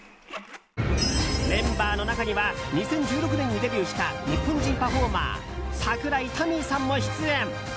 メンバーの中には２０１６年にデビューした日本人パフォーマー櫻井多美衣さんも出演。